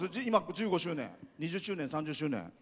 １５周年、２０周年、３０周年。